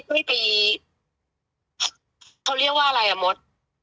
ไม่ตีเขาเรียกว่าอะไรอ่ะมด